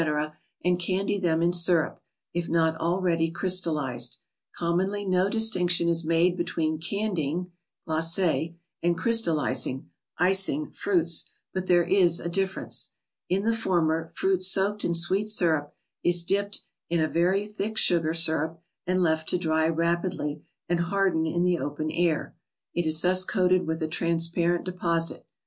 and candy them in syrup, if not already crystalized. Commonly no distinc¬ tion is made between candying {glace) and crystalizing {icing) fruits, but there is a difference. In the former, fruit soaked in sweet syrup is dipped in a very thick sugar syrup and left to dry rapidly and harden in the open air; it is thus coated with a transparent deposit.